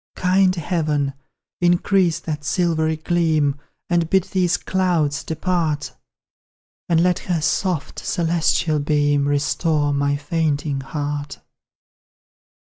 Kind Heaven! increase that silvery gleam And bid these clouds depart, And let her soft celestial beam Restore my fainting heart!